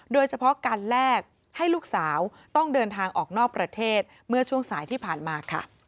โดยเฉพาะการแลกให้ลูกสาวต้องเดินทางออกนอกประเทศเมื่อช่วงสายที่ผ่านมาค่ะ